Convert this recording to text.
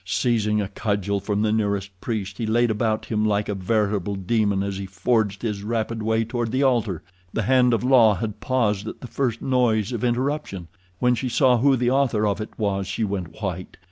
Seizing a cudgel from the nearest priest, he laid about him like a veritable demon as he forged his rapid way toward the altar. The hand of La had paused at the first noise of interruption. When she saw who the author of it was she went white.